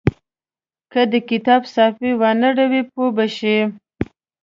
که د کتاب صفحې وانه ړوئ پوه به نه شئ.